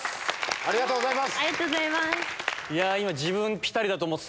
ありがとうございます。